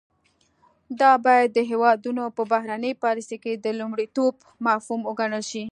دا باید د هیوادونو په بهرنۍ پالیسۍ کې د لومړیتوب مفهوم وګڼل شي